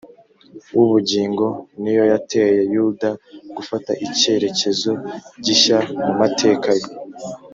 w’ubugingo ni yo yateye yuda gufata icyerekezo gishya mu mateka ye